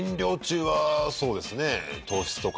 そうですね。